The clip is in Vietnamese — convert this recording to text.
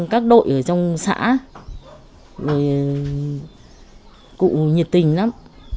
các đội ở trong xã thì cụ nhiệt tình lắm